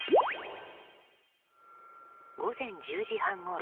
午前１０時半ごろ。